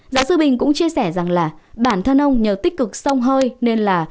giáo sư bình cũng chia sẻ rằng là bản thân ông nhờ tích cực sông hơi nên là